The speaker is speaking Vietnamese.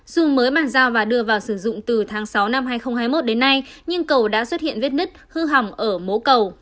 dù mới bàn giao và đưa vào sử dụng từ tháng sáu năm hai nghìn hai mươi một đến nay nhưng cầu đã xuất hiện vết nứt hư hỏng ở mố cầu